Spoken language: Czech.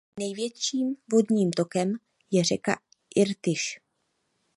Největším vodním tokem je řeka Irtyš.